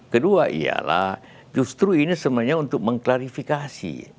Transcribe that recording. kedua ialah justru ini sebenarnya untuk mengklarifikasi